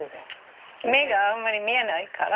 目があんまり見えないから。